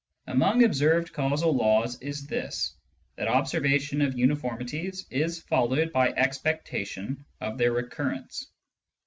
Among observed causal laws is this, that observation of uniformities is followed by expectation of their recurrence.